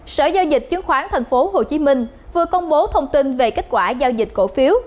sở giao dịch chứng khoán tp hcm vừa công bố thông tin về kết quả giao dịch cổ phiếu